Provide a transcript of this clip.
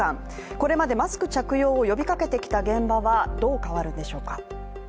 これまでマスク着用を呼びかけてきた現場はどう変わるのでしょうか。